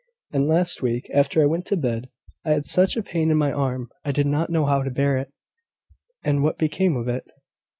And last week, after I went to bed, I had such a pain in my arm, I did not know how to bear it." "And what became of it?"